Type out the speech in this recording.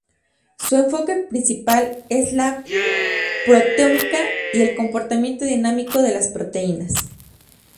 Su enfoque principal es la proteómica y el comportamiento dinámico de las proteínas.